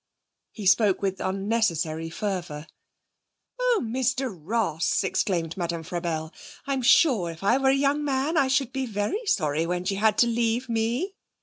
He spoke with unnecessary fervour. 'Oh, Mr Ross!' exclaimed Madame Frabelle. 'I'm sure if I were a young man I should be very sorry when she had to leave me!'